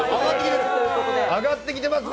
上がってきてますね！